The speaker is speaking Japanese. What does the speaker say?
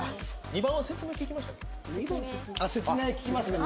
２番は説明聞きましたっけ？